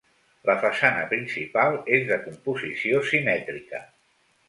La façana principal és de composició simètrica.